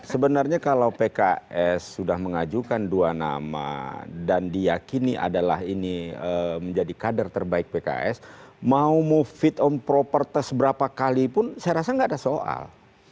sebenarnya kalau pks sudah mengajukan dua nama dan diakini adalah ini menjadi kader terbaik pks mau move fit and proper test berapa kalipun saya rasa tidak ada soal